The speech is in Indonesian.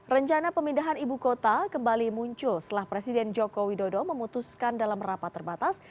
rencana pemindahan ibu kota kembali muncul setelah presiden joko widodo memutuskan dalam rapat terbatas